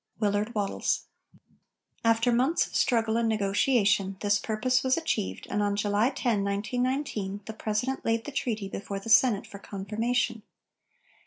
WILLARD WATTLES. After months of struggle and negotiation, this purpose was achieved, and on July 10, 1919, the President laid the treaty before the Senate for confirmation.